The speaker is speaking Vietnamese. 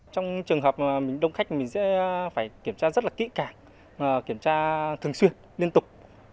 trong trường hợp mình đông khách mình sẽ phải kiểm tra rất là kỹ càng kiểm tra thường xuyên liên tục